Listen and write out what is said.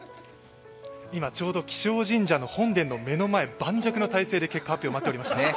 今ちょうど気象神社、本殿の目の前、磐石な体制で結果発表を待っていました。